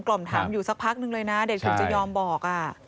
ล่อมถามอยู่สักพักนึงเลยนะเด็กถึงจะยอมบอก